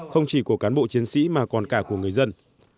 không chỉ của cán bộ chiến sĩ mà còn cả của người dân